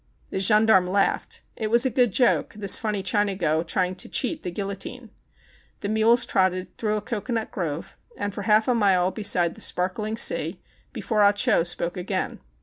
The gendarme laughed. It was a good joke, this funny Chinago trying to cheat the guillo tine. The mules trotted through a cocoanut grove and for half a mile beside the sparkling sea before Ah Cho spoke again.